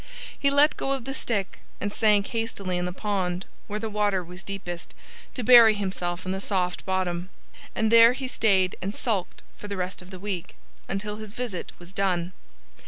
He let go of the stick and sank hastily in the pond, where the water was deepest, to bury himself in the soft bottom. And there he stayed and sulked for the rest of the week, until his visit was done.